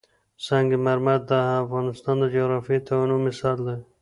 سنگ مرمر د افغانستان د جغرافیوي تنوع مثال دی.